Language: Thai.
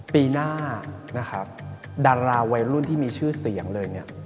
ปีหน้าดาราวัยรุ่นที่มีชื่อเสียงเลย